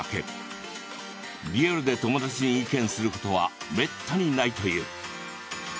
リアルで友達に意見することはめったにないという。